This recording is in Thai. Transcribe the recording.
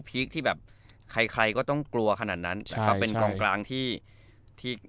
คที่แบบใครใครก็ต้องกลัวขนาดนั้นแล้วก็เป็นกองกลางที่ที่